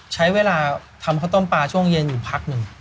ใช้เวลาทำข้าวต้มปลาช่วงเย็นอยู่พักหนึ่ง